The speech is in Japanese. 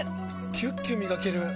キュッキュ磨ける！